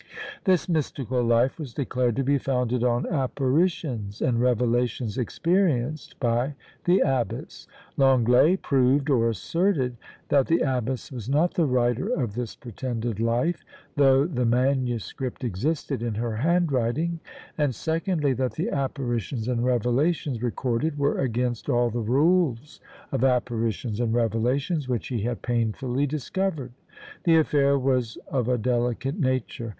This mystical Life was declared to be founded on apparitions and revelations experienced by the abbess. Lenglet proved, or asserted, that the abbess was not the writer of this pretended Life, though the manuscript existed in her handwriting; and secondly, that the apparitions and revelations recorded were against all the rules of apparitions and revelations which he had painfully discovered. The affair was of a delicate nature.